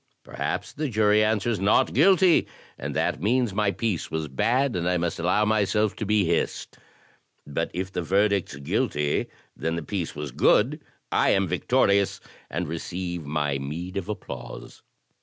Perhaps the jury answers, 'Not guilty,* and that means my piece was bad, and I must allow myself to be hissed; but if the verdict's 'Guilty,' then the piece was good, I am victorious, and receive my meed of applause.